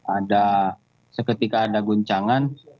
ada seketika ada guncangan